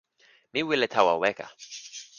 mi wile tawa weka.